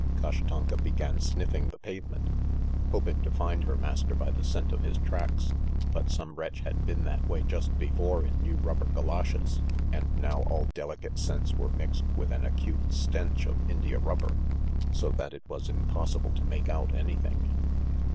Kashtanka began sniffing the pavement, hoping to find her master by the scent of his tracks, but some wretch had been that way just before in new rubber goloshes, and now all delicate scents were mixed with an acute stench of india rubber, so that it was impossible to make out anything.